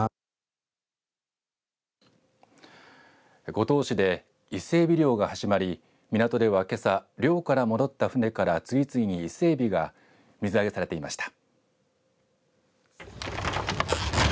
五島市でイセエビ漁が始まり港ではけさ漁から戻った船から次々にイセエビが水揚げされていました。